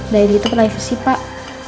dari itu privasi pak